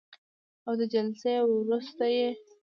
او د جلسې وروسته یې